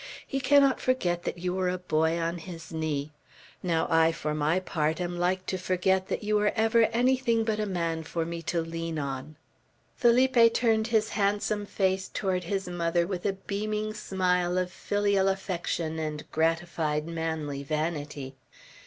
He cannot forget that you were a boy on his knee. Now I, for my part, am like to forget that you were ever anything but a man for me to lean on." Felipe turned his handsome face toward his mother with a beaming smile of filial affection and gratified manly vanity.